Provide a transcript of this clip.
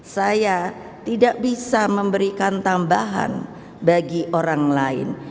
saya tidak bisa memberikan tambahan bagi orang lain